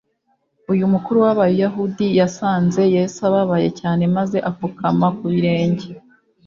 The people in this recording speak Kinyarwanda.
uyu mukuru w’abayahudi yasanze yesu ababaye cyane maze apfukama ku birenge